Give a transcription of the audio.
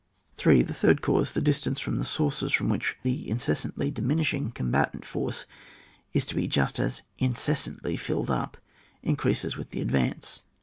3. The third cause, the distance from the source from which the incessantly diminishing combatant force is to be just as incess€mtly filled up, increases with the advance.